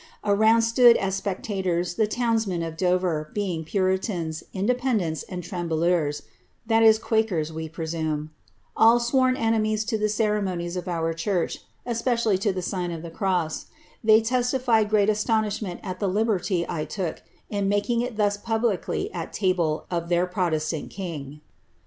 Around stood as spectators the towns^mcn of Dover, being puritans, ia dependents, and trcmhlcursj (quakers, we i>resumc,) all sworn enemies to the ceremonies of our church, esi)ocialIy to the sign of the cross; tiiey testified great astonishment at the lihorty I took in making it thus publicly at the table of their protestant king.